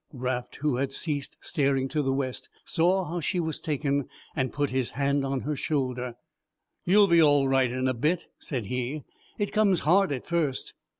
Raft, who had ceased staring to the west, saw how she was taken and put his hand on her shoulder. "You'll be all right in a bit," said he, "it comes hard at first.